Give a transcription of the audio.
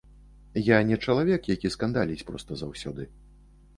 Я не чалавек, які скандаліць проста заўсёды.